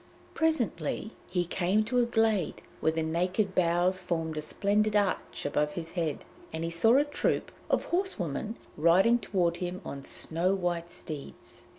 Presently he came to a glade where the naked boughs formed a splendid arch above his head, and he saw a troop of horsewomen riding toward him on snow white steeds.